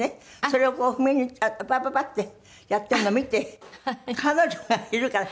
それを譜面にパパパッてやっているのを見て彼女がいるから。